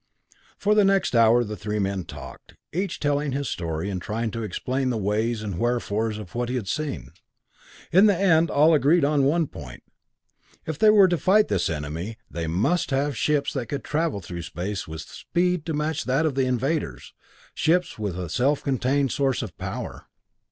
For the next hour the three men talked, each telling his story, and trying to explain the whys and wherefores of what he had seen. In the end all agreed on one point: if they were to fight this enemy, they must have ships that could travel though space with speed to match that of the invaders, ships with a self contained source of power.